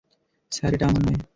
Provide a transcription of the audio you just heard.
Sir, এটা আমার নয়।